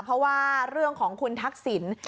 เพราะว่าเรื่องของคุณทักษิณ